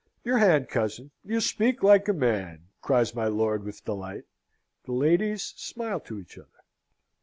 "Your hand, cousin! You speak like a man!" cries my lord, with delight. The ladies smiled to each other.